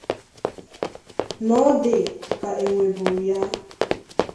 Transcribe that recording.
na ọ dị ka o nwèbụrụ ya